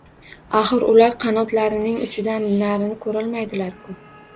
Axir ular qanotlarining uchidan narini ko‘rolmaydilar-ku!